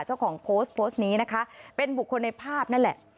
เจ้าของโพสต์โพสต์นี้นะคะเป็นบุคคลในภาพนั่นแหละ